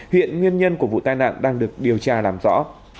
hiện nguyên nhân của vụ tai nạn đang được điều tra làm rõ